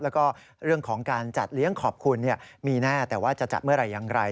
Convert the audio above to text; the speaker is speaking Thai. แล้วก็เรื่องของการจัดเลี้ยงขอบคุณมีแน่แต่ว่าจะจัดเมื่อไหร่อย่างไร